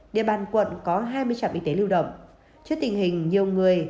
địa bàn quận có hai mươi trạm y tế lưu động